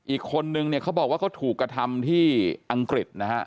อีกคนนึงเนี่ยเขาบอกว่าเขาถูกกระทำที่อังกฤษนะฮะ